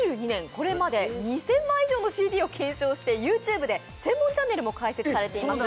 これまで２０００枚以上のＣＤを検証して、ＹｏｕＴｕｂｅで専門チャネルも開設しています